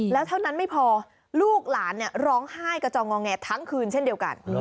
แล้วเท่านั้นไม่พอลูกหลานร้องไห้กระจองงอแงทั้งคืนเช่นเดียวกัน